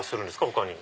他に。